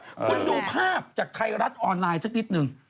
คุณดูภาพจากไทยรัฐออนไลน์สักนิดหนึ่ง